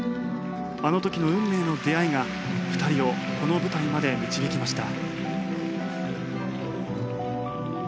あの時の運命の出会いが２人をこの舞台まで導きました。